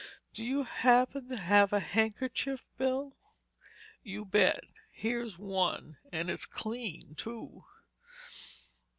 "Do you happen to have a handkerchief, Bill?" "You bet. Here's one—and it's clean, too."